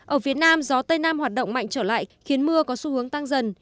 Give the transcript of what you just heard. ở phía nam gió tây nam hoạt động mạnh trở lại khiến mưa có xu hướng tăng dần